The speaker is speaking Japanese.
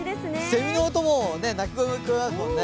セミの鳴き声も聞こえますもんね。